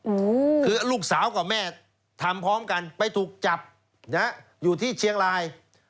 อืมคือลูกสาวกับแม่ทำพร้อมกันไปถูกจับนะฮะอยู่ที่เชียงราย